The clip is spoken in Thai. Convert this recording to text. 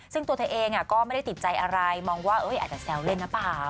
ซึ่งตัวเธอเองก็ไม่ได้ติดใจอะไรมองว่าอาจจะแซวเล่นหรือเปล่า